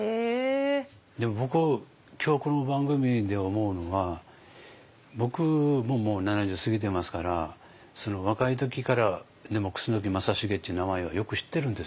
でも僕今日この番組で思うのは僕ももう７０過ぎてますから若い時から楠木正成っていう名前はよく知ってるんです。